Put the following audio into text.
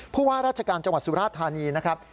ผู้ว่าราชการจังหวัดสุราธานีนะครับ